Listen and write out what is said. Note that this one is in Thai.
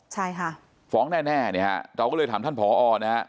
ใช่ค่ะฟ้องแน่เนี่ยฮะเราก็เลยถามท่านผอนะฮะ